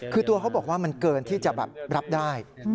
คือตัวเขาบอกว่ามันเกินที่จะแบบรับได้